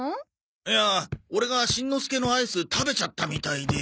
いやあオレがしんのすけのアイス食べちゃったみたいで。